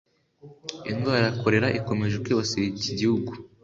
Indwara ya Cholera ikomeje kwibasira iki gihugu